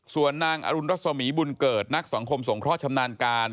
ส่วนนางอรุณรัศมีบุญเกิดนักสังคมสงเคราะห์ชำนาญการ